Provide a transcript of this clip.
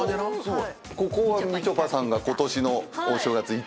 ここはみちょぱさんが今年のお正月行った。